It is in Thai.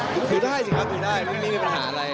ถือได้สิครับถือได้ไม่มีปัญหาอะไร